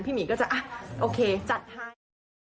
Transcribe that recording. พี่หมีก็จะอ่ะโอเคจัดให้